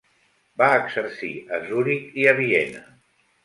Va exercir a Zuric i a Viena.